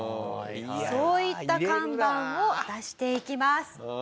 そういった看板を出していきます。